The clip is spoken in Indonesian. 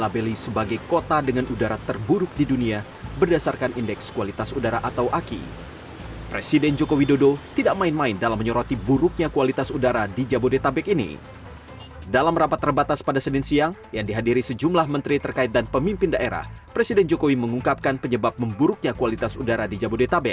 buruknya kualitas udara jakarta